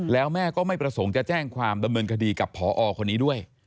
แล้วแม่ก็ไม่ประสงค์จะแจ้งความดำเนินคดีกับพอคนนี้ด้วย